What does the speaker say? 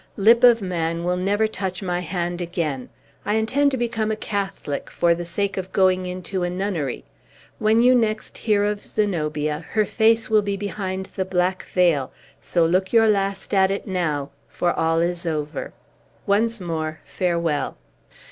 Lip of man will never touch my hand again. I intend to become a Catholic, for the sake of going into a nunnery. When you next hear of Zenobia, her face will be behind the black veil; so look your last at it now, for all is over. Once more, farewell!"